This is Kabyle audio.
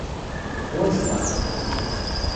Teḥwajeḍ-aɣ.